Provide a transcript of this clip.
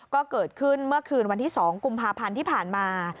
ก็เกิดขึ้นเมื่อคืนวันที่๒กุมภาพันธ์ที่ผ่านมา